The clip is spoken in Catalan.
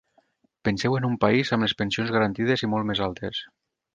Penseu en un país amb les pensions garantides i molt més altes.